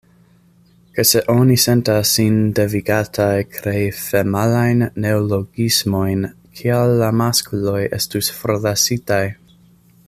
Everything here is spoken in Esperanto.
Kaj se oni sentas sin devigataj krei femalajn neologismojn, kial la maskloj estus forlasitaj?